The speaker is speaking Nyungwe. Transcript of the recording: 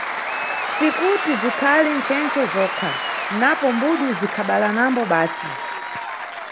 Ntsikuti zikhali nchenche zokha, napo mbudu zikhabalanambo basi.